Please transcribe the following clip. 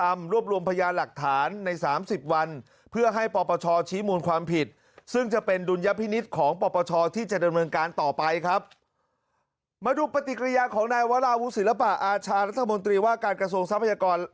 มาดูปฏิกิริยาของนายวราวุศิลปะอาชารัฐมนตรีว่าการกระทรวงทรัพยากร